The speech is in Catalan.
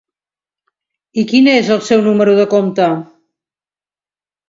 I quin és el seu número de compte?